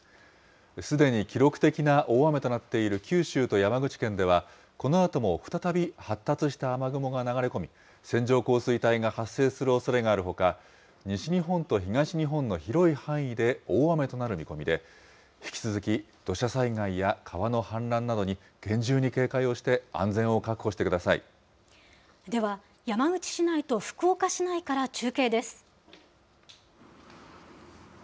すでに記録的な大雨となっている九州と山口県では、このあとも再び発達した雨雲が流れ込み、線状降水帯が発生するおそれがあるほか、西日本と東日本の広い範囲で大雨となる見込みで、引き続き、土砂災害や川の氾濫などに厳重に警戒をして、安全を確保してくだでは、山口市内と福岡市内から中継です。